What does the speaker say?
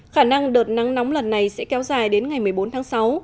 khả năng đợt nắng nóng lần này sẽ kéo dài đến ngày một mươi bốn tháng sáu